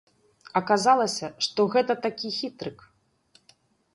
Аказалася, што гэта такі хітрык.